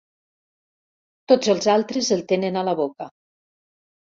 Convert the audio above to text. Tots els altres el tenen a la boca.